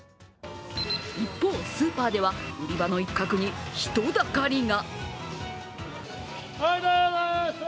一方、スーパーでは売り場の一角に人だかりが。